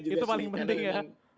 itu paling penting ya